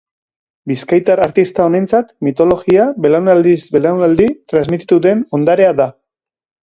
Bizkaitar artista honentzat, mitologia belaunaldiz belaunaldi transmititu den ondarea da.